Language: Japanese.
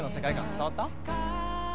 伝わった？